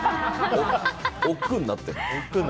おっくうになってる。